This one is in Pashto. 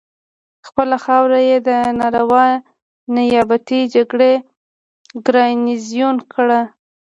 خپله خاوره یې د ناروا نیابتي جګړې ګارنیزیون کړه.